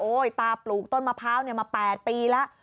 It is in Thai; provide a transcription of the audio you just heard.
ตาปลูกต้นมะพร้าวมา๘ปีแล้ว